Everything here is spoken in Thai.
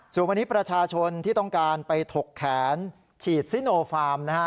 ส่วนวันนี้ประชาชนที่ต้องการไปถกแขนฉีดซิโนฟาร์มนะฮะ